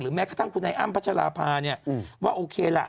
หรือแม้กระทั่งคุณไอ้อ้ำพระชรภาว่าโอเคล่ะ